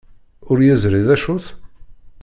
Ur yeẓri d acu-t?